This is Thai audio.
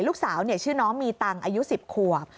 ลูกสาวชื่อน้องมีตังค์อายุ๑๐ขวบ